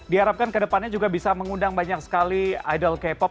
di harapkan ke depannya juga bisa mengundang banyak sekali idol k pop